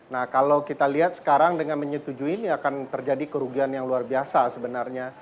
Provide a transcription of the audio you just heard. nah kalau kita lihat sekarang dengan menyetujui ini akan terjadi kerugian yang luar biasa sebenarnya